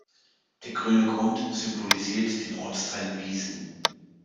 Der grüne Grund symbolisiert den Ortsteil Wiesen.